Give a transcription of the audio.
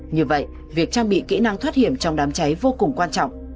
như vậy việc trang bị kỹ năng thoát hiểm trong đám cháy vô cùng quan trọng